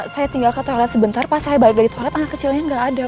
saya tinggal ke toilet sebentar pak saya balik dari toilet anak kecilnya nggak ada